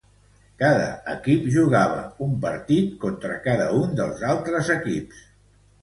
Cada equip jugava un partit contra cada un dels altres equips.